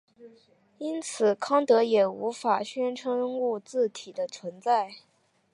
因此康德也无法宣称物自体的存在。